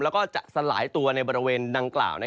แล้วก็จะสลายตัวในบริเวณดังกล่าว